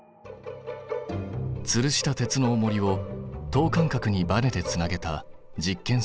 つるした鉄のおもりを等間隔にバネでつなげた実験装置。